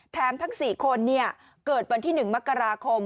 ทั้ง๔คนเกิดวันที่๑มกราคม